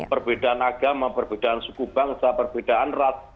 perbedaan agama perbedaan suku bangsa perbedaan ras